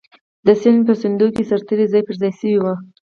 د سیند په څنډو کې سرتېري ځای پر ځای شوي وو.